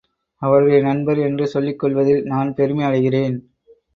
அவருடைய நண்பர் என்று சொல்லிக் கொள்வதில் நான் பெருமை அடைகிறேன்.